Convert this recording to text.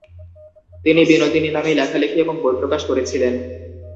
তিনি বিনোদিনী নামেই লেখালেখি এবং বই প্রকাশ করেছিলেন।